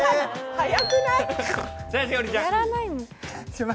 早くない？